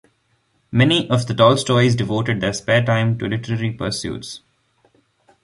Many of the Tolstoys devoted their spare time to literary pursuits.